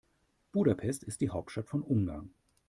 Budapest ist die Hauptstadt von Ungarn.